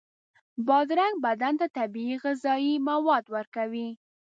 بادرنګ بدن ته طبیعي غذایي مواد ورکوي.